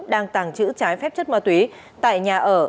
đang tàng trữ trái phép chất ma túy tại nhà ở